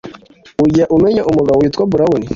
ujya umenya umugabo witwa brown?